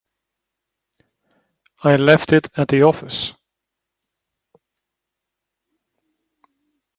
I left it at the office.